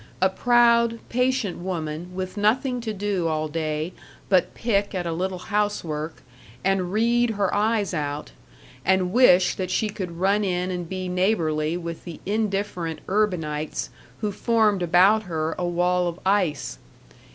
A proud, patient woman with nothing to do all day but pick at a little housework, and read her eyes out, and wish that she could run in and be neighborly with the indifferent urbanites who formed about her a wall of ice.